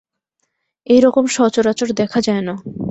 এই রকম সচরাচর দেখা যায় না।